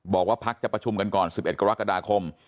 บอกว่าพักจะประชุมกันก่อน๑๑กรกฎาคม